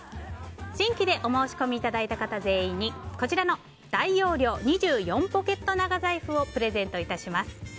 新規でお申し込みいただいた方全員にこちらの大容量２４ポケット長財布をプレゼントいたします。